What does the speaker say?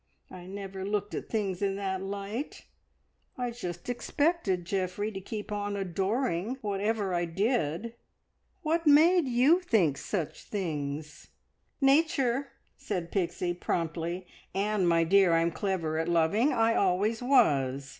I never looked at things in that light. I just expected Geoffrey to keep on adoring, whatever I did. What made you think such things?" "Nature!" said Pixie promptly. "And, my dear, I'm clever at loving I always was.